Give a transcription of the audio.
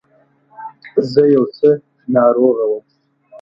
زه څه ناروغه وم.